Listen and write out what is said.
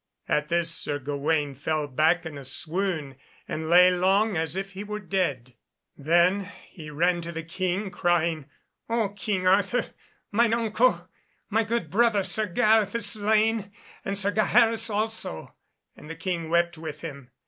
At this Sir Gawaine fell back in a swoon and lay long as if he were dead. Then he ran to the King, crying, "O King Arthur, mine uncle, my good brother Sir Gareth is slain, and Sir Gaheris also," and the King wept with him.